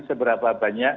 seberapa banyaknya omikron